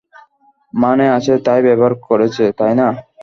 মানে, আছে তাই ব্যবহার করেছে, তাই না?